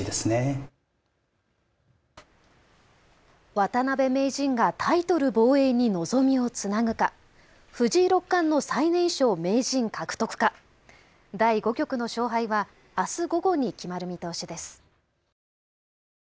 渡辺名人がタイトル防衛に望みをつなぐか、藤井六冠の最年少名人獲得か、第５局の勝敗はあす午後に決まる見通しです。